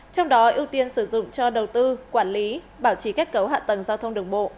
trong đó ưu tiên sử dụng cho đầu tư quản lý bảo trì kết cấu hạ tầng giao thông đường bộ